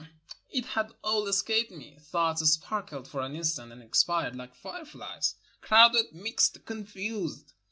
It had all escaped me. Thoughts sparkled for an instant and expired like fireflies — crowded, mixed, confused.